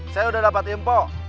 saya sudah dapat info